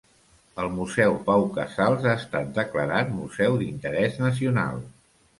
El Museu Pau Casals ha estat declarat museu d'interès nacional.